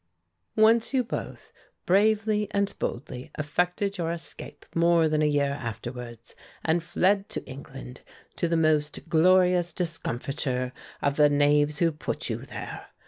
"Whence you both, bravely and boldly effected your escape more than a year afterwards and fled to England, to the most glorious discomfiture of the knaves who put you there!"